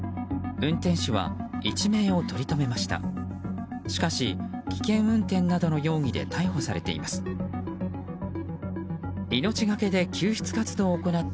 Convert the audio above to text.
運転手は一命を取り留めました。